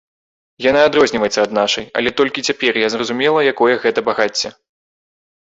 Яна адрозніваецца ад нашай, але толькі цяпер я зразумела, якое гэта багацце.